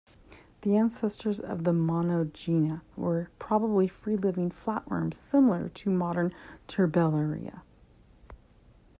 The ancestors of Monogenea were probably free-living flatworms similar to modern Turbellaria.